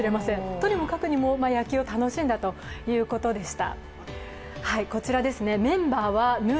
とにもかくにも野球を楽しんだということでした。